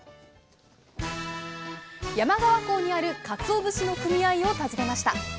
山川港にあるかつお節の組合を訪ねました